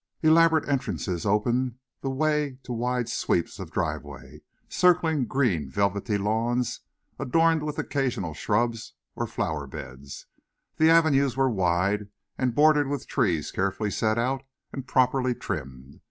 Elaborate entrances opened the way to wide sweeps of driveway circling green velvety lawns adorned with occasional shrubs or flower beds. The avenues were wide, and bordered with trees carefully set out and properly trimmed.